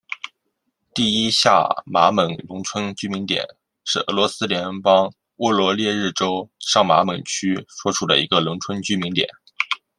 第一下马蒙农村居民点是俄罗斯联邦沃罗涅日州上马蒙区所属的一个农村居民点。